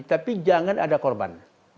tapi jangan ada korban